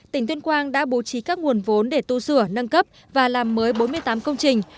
tỉnh tuyên quang đã bố trí các nguồn vốn để tu sửa nâng cấp và làm mới bốn mươi tám công trình